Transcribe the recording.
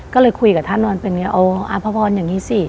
ก็เลยคุยกับท่านนั้นเป็นอย่างนี้โอ้อาพพรอย่างนี้สิ